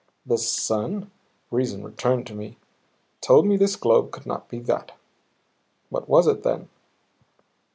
The sun? Reason returned to me; told me this globe could not be that. What was it then?